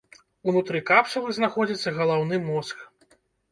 Унутры капсулы знаходзіцца галаўны мозг.